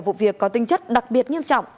vụ việc có tinh chất đặc biệt nghiêm trọng